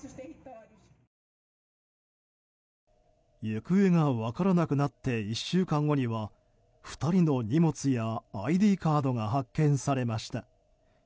行方が分からなくなって１週間後には２人の荷物やＩＤカードが発見されました。